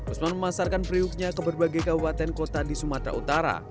usman memasarkan periuknya ke berbagai kabupaten kota di sumatera utara